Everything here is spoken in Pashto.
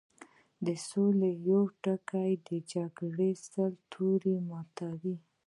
د سولې يو ټکی د جګړې سل تورې ماتوي